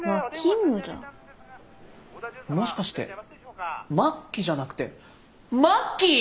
もしかして「末期」じゃなくて「マッキー」！？